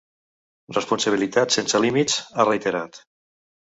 Responsabilitats sense límits, ha reiterat.